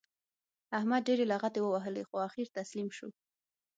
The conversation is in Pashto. احمد ډېرې لغتې ووهلې؛ خو اخېر تسلیم شو.